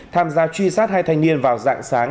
tham gia truy sát hai thanh niên vào dạng sáng